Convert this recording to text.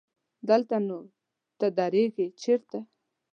دلته نو ته درېږې چېرته؟